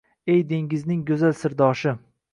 Ey dengizning go’zal sirdoshi?